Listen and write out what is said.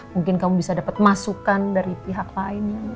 mungkin kamu bisa dapat masukan dari pihak lain